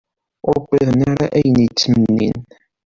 Ur wwiḍen ara ayen i ttmennin.